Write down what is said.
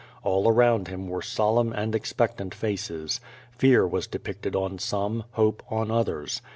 All around him were solemn and expectant faces. Fear was depicted on some, hope on others.